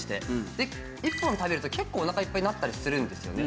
で１本食べると結構お腹いっぱいになったりするんですよね。